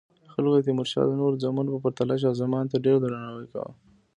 خلکو د تیمورشاه د نورو زامنو په پرتله شاه زمان ته ډیر درناوی کاوه.